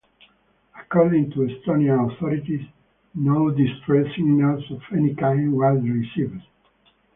According to Estonian authorities, no distress signals of any kind were received.